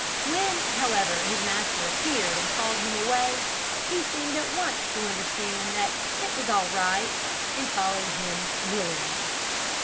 When, however, his master appeared, and called him away, he seemed at once to understand that all was right, and followed him willingly.